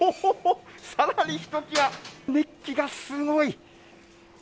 さらにひときわ熱気がすごい。